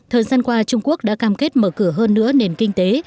thời gian qua trung quốc đã cam kết mở cửa hơn nữa nền kinh tế